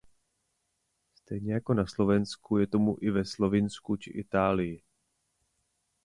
Stejně jako na Slovensku je tomu i ve Slovinsku či Itálii.